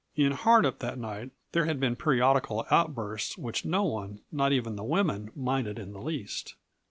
In Hardup that night there had been periodical outbursts which no one, not even the women, minded in the least.